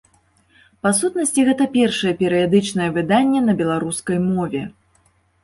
Па сутнасці гэта першае перыядычнае выданне на беларускай мове.